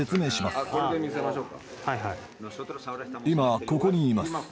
今ここにいます。